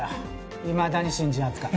いまだに新人扱い